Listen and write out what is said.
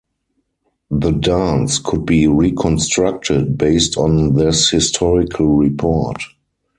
The dance could be reconstructed based on this historical report.